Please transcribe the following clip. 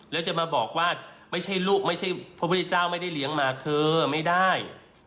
แล้วจะมาบอกว่าไม่ใช่ลูกไม่ใช่พระพุทธเจ้าไม่ได้เลี้ยงมาเธอไม่ได้